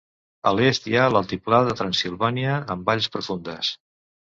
A l'est hi ha l'altiplà de Transsilvània amb valls profundes.